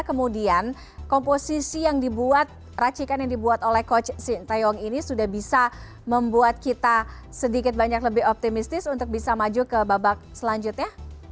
kemudian komposisi yang dibuat racikan yang dibuat oleh coach sintayong ini sudah bisa membuat kita sedikit banyak lebih optimistis untuk bisa maju ke babak selanjutnya